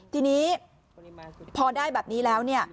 ทีนี้พอได้แบบนี้แล้ว